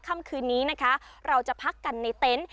ค่ำคืนนี้นะคะเราจะพักกันในเต็นต์